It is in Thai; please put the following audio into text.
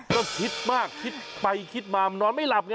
ก็คิดมากคิดไปคิดมามันนอนไม่หลับไง